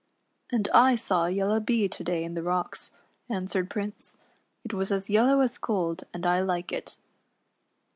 ''" And I saw a yellow Bee to day in the rocks," an swered Prince; "it was as yellow as gold, and I like it."